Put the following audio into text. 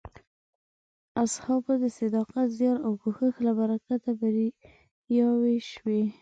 اصحابو د صداقت، زیار او کوښښ له برکته بریاوې شوې.